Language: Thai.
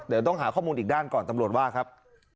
เดี๋ยวต้องหาข้อมูลอีกด้านก่อนตำรวจว่าครับ